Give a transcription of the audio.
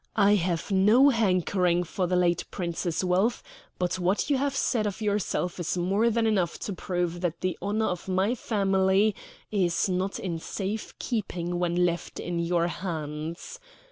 I have no hankering for the late Prince's wealth; but what you have said of yourself is more than enough to prove that the honor of my family is not in safe keeping when left in your hands.